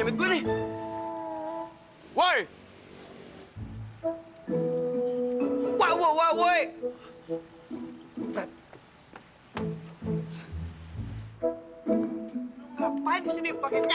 pak teran pak teran pak teran